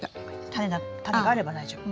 タネがあれば大丈夫。